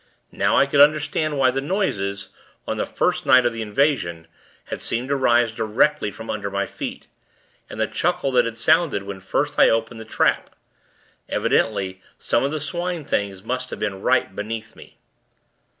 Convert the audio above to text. Now, I could understand why the noises on the first night of the invasion had seemed to rise directly from under my feet. And the chuckle that had sounded when first I opened the trap! Evidently, some of the Swine things must have been right beneath me.